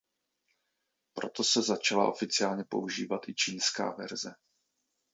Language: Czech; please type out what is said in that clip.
Proto se začala oficiálně používat i čínská verze.